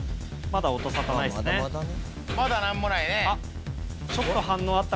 まだ何もないねあっ